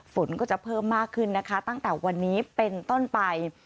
ฝนก็จะเพิ่มมากขึ้นนะคะตั้งแต่วันนี้เป็นต้นไป